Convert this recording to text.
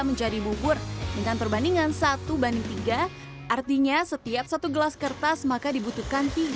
menjadi bubur dengan perbandingan satu banding tiga artinya setiap satu gelas kertas maka dibutuhkan